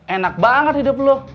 enak banget hidup lo